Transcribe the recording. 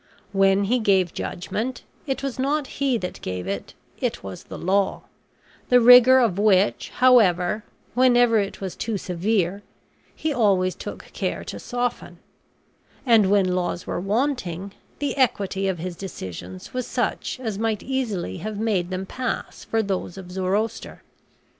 When he gave judgment, it was not he that gave it, it was the law; the rigor of which, however, whenever it was too severe, he always took care to soften; and when laws were wanting, the equity of his decisions was such as might easily have made them pass for those of Zoroaster.